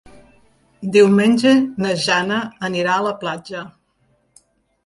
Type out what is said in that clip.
Diumenge na Jana anirà a la platja.